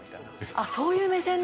あっそういう目線なんだ？